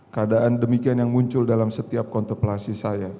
keadaan demikian yang muncul dalam setiap kontemplasi saya